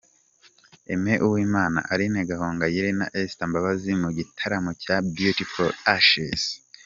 Aime Uwimana, Aline Gahongayire na Esther Mbabazi mu gitaramo cya Beauty For Ashes.